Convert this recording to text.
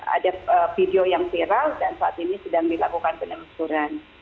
ada video yang viral dan saat ini sedang dilakukan penelusuran